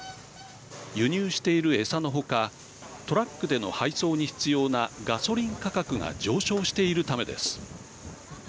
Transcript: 輸入している餌の他トラックでの配送に必要なガソリン価格が上昇しているためです。